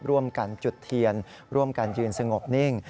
ร่วมกันจุดเทียนร่วมกันยืนสงบนิ่ง